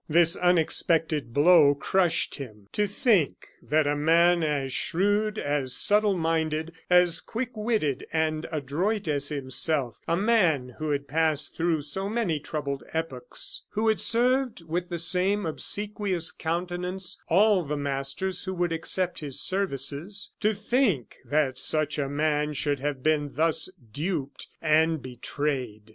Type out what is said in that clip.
This unexpected blow crushed him. To think that a man as shrewd, as subtle minded, as quick witted, and adroit as himself a man who had passed through so many troubled epochs, who had served with the same obsequious countenance all the masters who would accept his services to think that such a man should have been thus duped and betrayed!